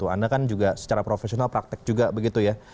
anda kan juga secara profesional praktek juga begitu ya